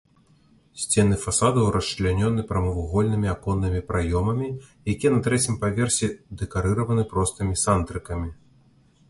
Сцены фасадаў расчлянёны прамавугольнымі аконнымі праёмамі, якія на трэцім паверсе дэкарыраваны простымі сандрыкамі.